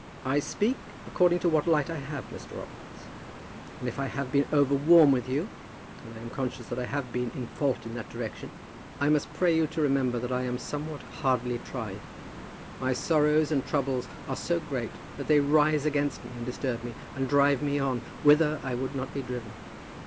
"I speak according to what light I have, Mr. Robarts; and if I have been over warm with you, and I am conscious that I have been in fault in that direction, I must pray you to remember that I am somewhat hardly tried. My sorrows and troubles are so great that they rise against me and disturb me, and drive me on, whither I would not be driven."